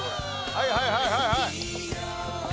はいはいはいはいはい。